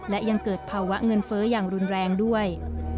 และยังเกิดภาวะเงินเฟ้ออย่างรุนแรงด้วย